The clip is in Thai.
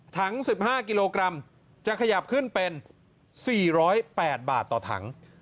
ถัง๑๕กิโลกรัมจะขยับขึ้นเป็น๔๐๘บาทต่อถัง